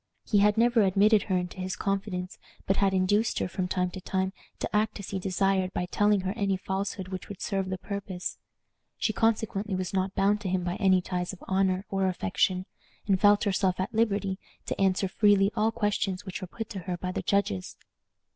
He had never admitted her into his confidence, but had induced her, from time to time, to act as he desired by telling her any falsehood which would serve the purpose. She consequently was not bound to him by any ties of honor or affection, and felt herself at liberty to answer freely all questions which were put to her by the judges.